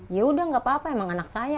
yaudah gak apa apa emang anak saya